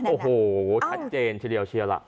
โอ้โหชัดเจนทีเดียวเชียวล่ะ